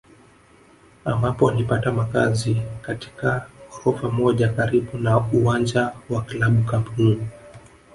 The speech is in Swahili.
ambapo walipata makazi katika ghorofa moja karibu na uwanja wa klabu Camp Nou